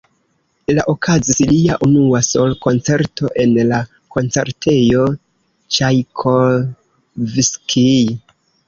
La okazis lia unua sol-koncerto en la koncertejo "Ĉajkovskij".